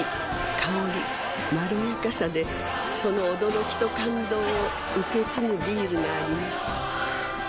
香りまろやかさでその驚きと感動を受け継ぐビールがあります